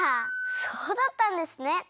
そうだったんですね。